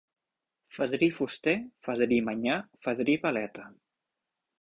Fadrí fuster, fadrí manyà, fadrí paleta.